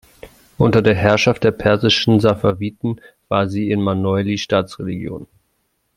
Unter der Herrschaft der persischen Safawiden war sie in Marneuli Staatsreligion.